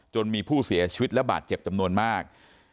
มีผู้เสียชีวิตและบาดเจ็บจำนวนมาก